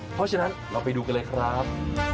เพราะฉะนั้นเราไปดูกันเลยครับ